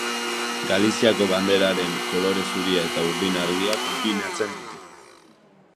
Galiziako banderaren kolore zuria eta urdin argia konbinatzen ditu.